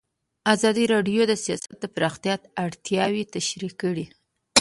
ازادي راډیو د سیاست د پراختیا اړتیاوې تشریح کړي.